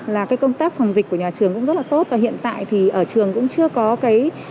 là cái công tác phòng dịch của nhà trường cũng rất là tốt và hiện tại thì ở trường cũng chưa có cái